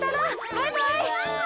バイバイ。